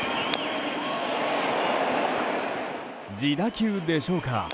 自打球でしょうか。